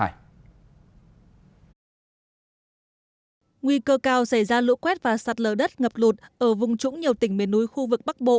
nguy cơ cao xảy ra lũ quét và sạt lở đất ngập lụt ở vùng trũng nhiều tỉnh miền núi khu vực bắc bộ